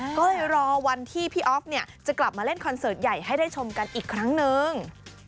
ก็เลยรอวันที่พี่อ๊อฟจะกลับมาเล่นคอนเสิร์ตใหญ่ให้ได้ชมกันอีกครั้งนึง